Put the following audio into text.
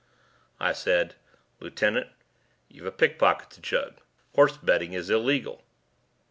I said, "Lieutenant, you've a pickpocket to jug. Horse betting is legal."